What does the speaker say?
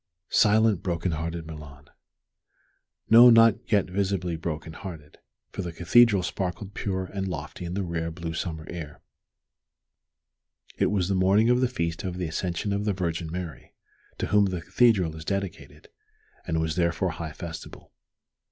Silent, broken hearted Milan! No, not yet visibly broken hearted, for the Cathedral sparkled pure and lofty in the rare, blue summer air. It was the morning of the Feast of the Ascension of the Virgin Mary, to whom the Cathedral is dedicated, and was therefore high festival.